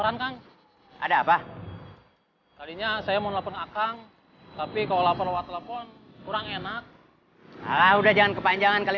nunggu makanannya dateng saya lagi lapar enak atuh cerita sambil naan lapar kamu